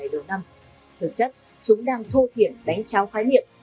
đối năm thực chất chúng đang thô thiện đánh trao khái niệm